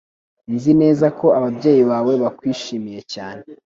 Nzi neza ko ababyeyi bawe bakwishimiye cyane.